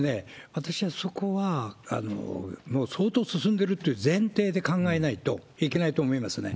私はそこは、もう相当進んでるという前提で考えないといけないと思いますね。